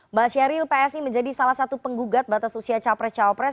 mbak sheryl psi menjadi salah satu penggugat batas usia capres cawapres